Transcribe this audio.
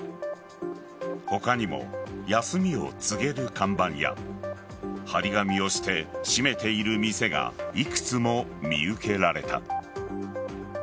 他にも休みを告げる看板や張り紙をして閉めている店がいくつも見受けられた。